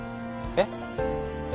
えっ？